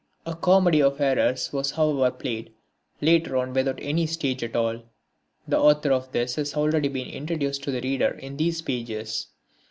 A comedy of errors was however played later on without any stage at all. The author of this has already been introduced to the reader in these pages.